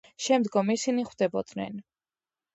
შემდგომ ისინი ხვდებოდნენ.